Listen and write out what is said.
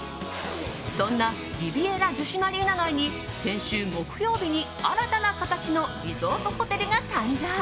そんなリビエラ逗子マリーナ内に先週木曜日に新たな形のリゾートホテルが誕生。